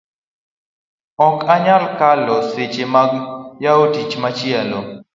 ok anyal kalo seche mag yawo tich machielo